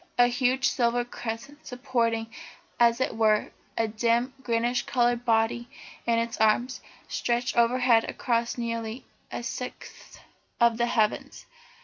A huge silver crescent, supporting, as it were, a dim greenish coloured body in its arms, stretched overhead across nearly a sixth of the heavens.